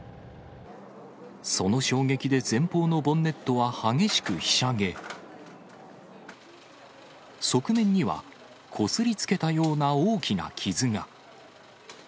その衝撃で前方のボンネットは激しくひしゃげ、側面にはこすりつけたような大きな傷が。